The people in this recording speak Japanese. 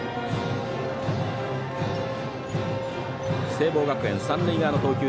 聖望学園三塁側の投球